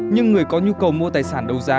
nhưng người có nhu cầu mua tài sản đấu giá